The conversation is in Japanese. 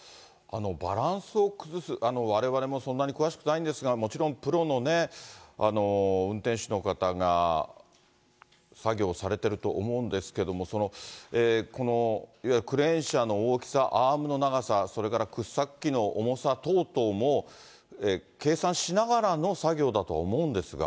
バランスを崩す、われわれもそんなに詳しくないんですが、もちろんプロのね、運転手の方が作業をされてると思うんですけれども、いわゆるクレーン大きさ、アームの長さ、それから掘削機の重さ等々も計算しながらの作業だと思うんですが。